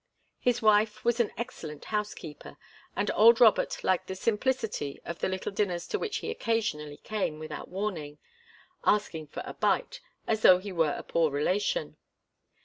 His wife was an excellent housekeeper, and old Robert liked the simplicity of the little dinners to which he occasionally came without warning, asking for 'a bite,' as though he were a poor relation.